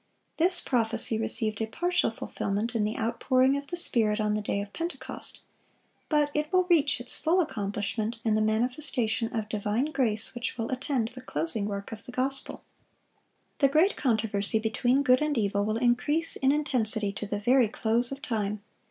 This prophecy received a partial fulfilment in the outpouring of the Spirit on the day of Pentecost; but it will reach its full accomplishment in the manifestation of divine grace which will attend the closing work of the gospel. The great controversy between good and evil will increase in intensity to the very close of time.